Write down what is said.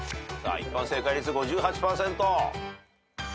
一般正解率５８％。